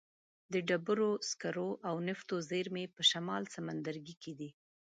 د ډبرو سکرو او نفتو زیرمې په شمال سمندرګي کې دي.